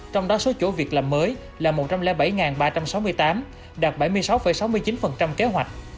trong đó số chỗ việc làm mới là một trăm linh bảy ba trăm sáu mươi tám đạt bảy mươi sáu sáu mươi chín kế hoạch